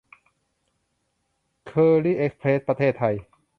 เคอรี่ เอ็กซ์เพรส ประเทศไทย